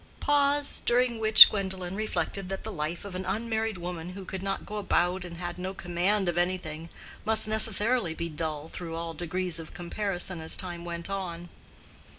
(Pause, during which Gwendolen reflected that the life of an unmarried woman who could not go about and had no command of anything must necessarily be dull through all degrees of comparison as time went on.)